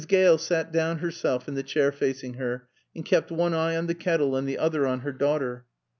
Gale sat down herself in the chair facing her, and kept one eye on the kettle and the other on her daughter.